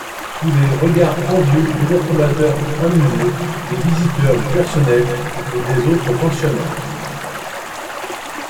Sous les regards envieux, désapprobateurs ou amusés des visiteurs, du personnel et des autres pensionnaires